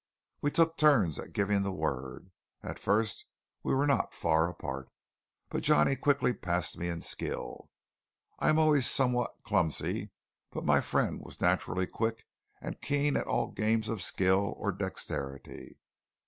We took turns at giving the word. At first we were not far apart; but Johnny quickly passed me in skill. I am always somewhat clumsy, but my friend was naturally quick and keen at all games of skill or dexterity.